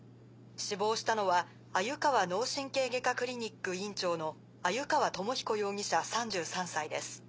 死亡したのはあゆかわ脳神経外科クリニック院長の鮎川智彦容疑者３３歳です。